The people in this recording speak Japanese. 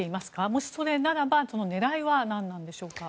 もしそれならば狙いは何なんでしょうか。